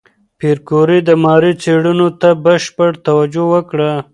پېیر کوري د ماري څېړنو ته بشپړ توجه ورکړه.